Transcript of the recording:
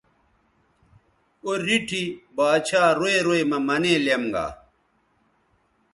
او ریٹھی با ڇھا روئ روئ مہ منے لیم گا